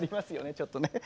ちょっとね。